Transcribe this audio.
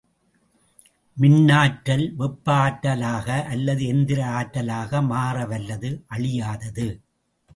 மின்னாற்றல் வெப்ப ஆற்றலாக அல்லது எந்திர ஆற்றலாக மாறவல்லது அழியாதது.